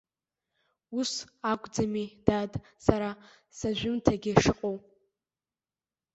Ус акәӡами, дад, сара сажәымҭагьы шыҟоу?!